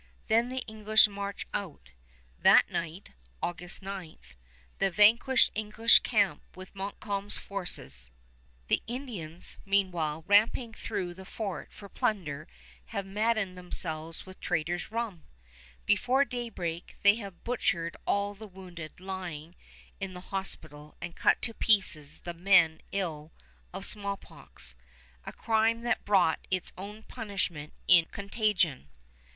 Then the English march out. That night August 9 the vanquished English camp with Montcalm's forces. The Indians, meanwhile, ramping through the fort for plunder, have maddened themselves with traders' rum! Before daybreak they have butchered all the wounded lying in the hospital and cut to pieces the men ill of smallpox, a crime that brought its own punishment in contagion.